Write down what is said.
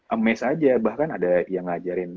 amaze aja bahkan ada yang ngajarin